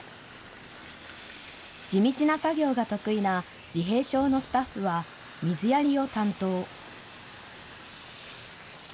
地道な作業が得意な自閉症のスタッフは、水やりを担当。